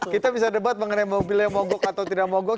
kita bisa debat mengenai mobilnya mogok atau tidak mogok